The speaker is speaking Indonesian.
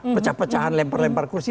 pecah pecahan lempar lempar kursi